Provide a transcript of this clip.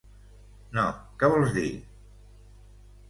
No, què vols dir?